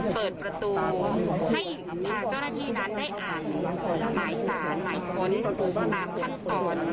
เปิดประตูให้ทางเจ้าหน้าที่นั้นได้อ่านหมายสารหมายค้นตามขั้นตอน